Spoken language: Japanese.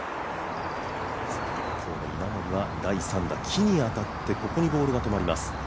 稲森は第３打、木に当たってここにボールが止まります。